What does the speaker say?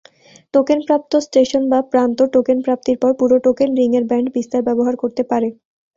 Token প্রাপ্ত station বা প্রান্ত টোকেন প্রাপ্তির পর পুরো টোকেন রিং এর ব্যান্ড বিস্তার ব্যবহার করতে পারে।